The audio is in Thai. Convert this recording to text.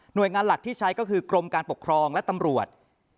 โดยงานหลักที่ใช้ก็คือกรมการปกครองและตำรวจ